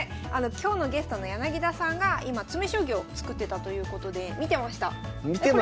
今日のゲストの柳田さんが今詰将棋を作ってたということで見てました。